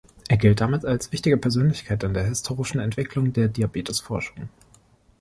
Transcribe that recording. Er gilt damit als wichtige Persönlichkeit in der historischen Entwicklung der Diabetesforschung.